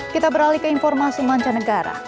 kita beralih ke informasi mancanegara